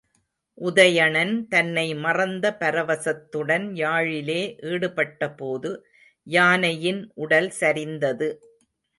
உதயணன் தன்னை மறந்த பரவசத்துடன் யாழிலே ஈடுபட்ட போது யானையின் உடல் சரிந்தது.